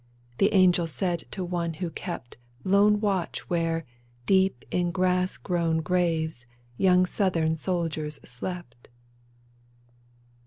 " The angel said to one v/ho kept Lone watch where, deep in grass grown graves. Young Southern soldiers slept.